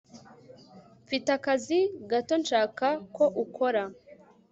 mfite aka kazi gato nshaka ko ukora